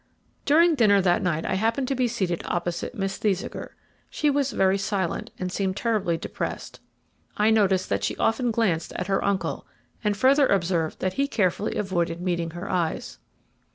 During dinner that night I happened to be seated opposite Miss Thesiger. She was very silent, and seemed terribly depressed. I noticed that she often glanced at her uncle, and further observed that he carefully avoided meeting her eyes.